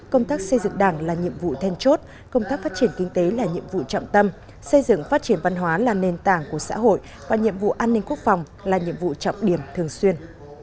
công tác xây dựng đảng là nhiệm vụ then chốt công tác phát triển kinh tế là nhiệm vụ trọng tâm xây dựng phát triển văn hóa là nền tảng của xã hội và nhiệm vụ an ninh quốc phòng là nhiệm vụ trọng điểm thường xuyên